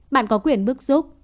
bạn có quyền bước giúp